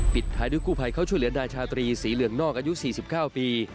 ท้ายด้วยกู้ภัยเขาช่วยเหลือนายชาตรีสีเหลืองนอกอายุ๔๙ปี